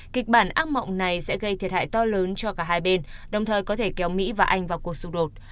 kịch bản ác mộng này sẽ gây thiệt hại to lớn cho cả hai bên đồng thời có thể kéo mỹ và anh vào cuộc xung đột